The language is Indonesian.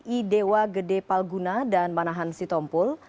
idewa gede palguna dan manahan sitompul